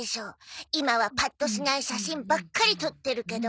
今はパッとしない写真ばっかり撮ってるけど。